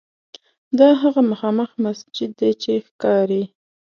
دا هغه مخامخ مسجد دی چې ښکاري.